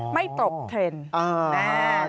ไม่ตกเทรนด์